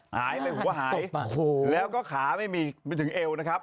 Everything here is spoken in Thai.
หายหัวหายแล้วก็ขาไม่มีสมพันธ์ไปถึงเอวนะครับ